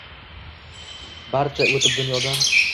Barcha o’tib dunyodan